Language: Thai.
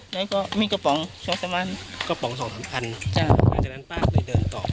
แล้วก็มีกระป๋อง๒๐๐๐เป็นกระป๋อง